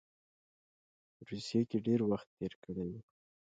روسیې کې ډېر وخت تېر کړی وو.